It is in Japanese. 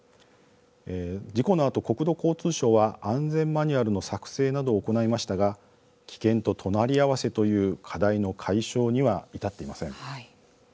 事故のあと、国土交通省は安全マニュアルの作成などを行いましたが危険と隣り合わせという課題の解消には至っていません。